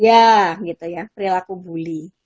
ya gitu ya perilaku bully